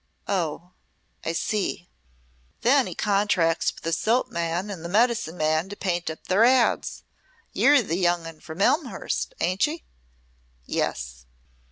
"Oh, I see." "Then he contracts with the soap man an' the medicine man to paint up their ads. You're the young 'un from Elmhurst, ain't ye?" "Yes."